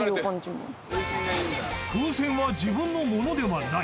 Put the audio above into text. ［風船は自分の物ではない］